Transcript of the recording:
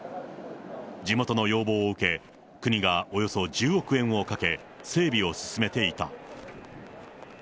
地元の要望を受け、国がおよそ１０億円をかけ、整備を進めていた。